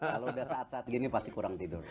kalau udah saat saat gini pasti kurang tidur